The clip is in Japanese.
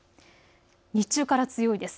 日中から強いです。